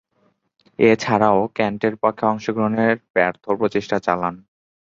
এছাড়াও, কেন্টের পক্ষে অংশগ্রহণের ব্যর্থ প্রচেষ্টা চালান।